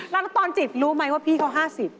แล้วตอนจิตรู้ไหมว่าพี่เขา๕๐